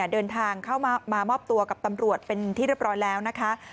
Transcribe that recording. เดินทางเข้ามามอบตัวกับตำรวจเป็นที่เรียบร้อยแล้วนะคะ